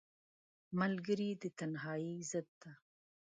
ملګری د تنهایۍ ضد دی